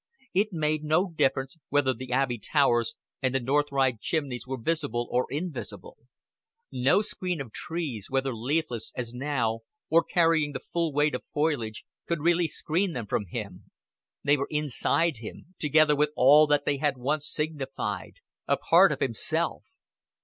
It made no difference whether the Abbey towers and the North Ride chimneys were visible or invisible; no screen of trees, whether leafless as now or carrying the full weight of foliage, could really screen them from him; they were inside him, together with all that they had once signified, a part of himself.